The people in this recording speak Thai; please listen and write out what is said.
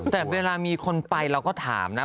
แต่เวลามีคนไปเราก็ถามนะ